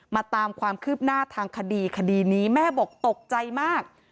ตามความคืบหน้าทางคดีคดีนี้แม่บอกตกใจมาก